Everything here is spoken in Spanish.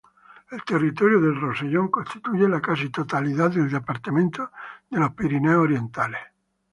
El territorio del Rosellón constituye la casi totalidad del departamento de Pirineos Orientales.